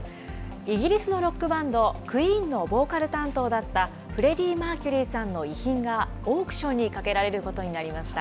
イギリスのロックバンド、クイーンのボーカル担当だったフレディ・マーキュリーさんの遺品がオークションにかけられることになりました。